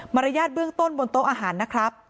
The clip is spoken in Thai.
รยาทเบื้องต้นบนโต๊ะอาหารนะครับ